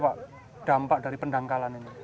pak dampak dari pendangkalan ini